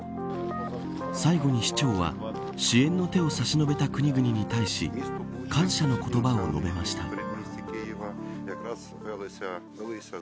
最後に市長は支援の手を差し伸べた国々に対し感謝の言葉を述べました。